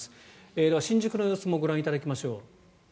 では、新宿の様子もご覧いただきましょう。